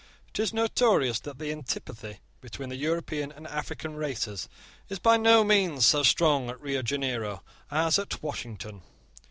It is notorious that the antipathy between the European and African races is by no means so strong at Rio Janerio as at Washington.